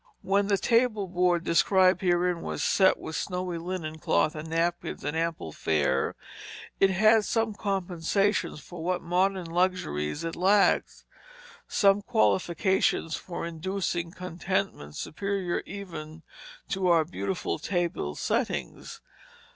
When the table board described herein was set with snowy linen cloth and napkins, and ample fare, it had some compensations for what modern luxuries it lacked, some qualifications for inducing contentment superior even to our beautiful table settings.